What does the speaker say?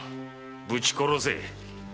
ぶち殺せ。